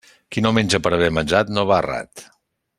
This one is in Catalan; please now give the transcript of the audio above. Qui no menja per haver menjat no va errat.